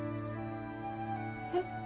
えっ？